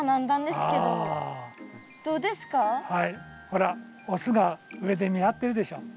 ほらオスが上で見張ってるでしょ。